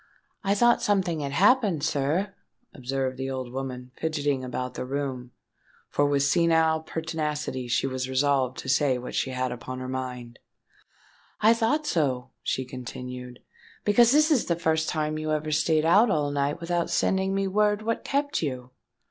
"I thought something had happened, sir," observed the old woman, fidgetting about the room, for with senile pertinacity she was resolved to say what she had upon her mind: "I thought so," she continued, "because this is the first time you ever stayed out all night without sending me word what kept you."